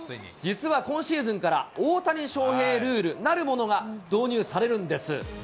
実は今シーズンから、大谷翔平ルールなるものが導入されるんです。